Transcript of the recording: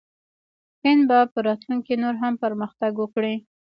هند به په راتلونکي کې نور هم پرمختګ وکړي.